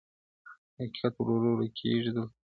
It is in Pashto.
حقيقت ورو ورو ورکيږي دلته,